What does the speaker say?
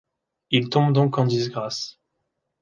Il tombe donc en disgrâce.